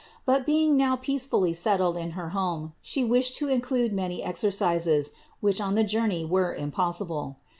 But being now peace fully settled in her home She wished to include many exercises, which on the journey were impossible.